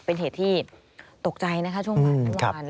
เป็นเหตุที่ตกใจนะคะช่วงปันทุกวัน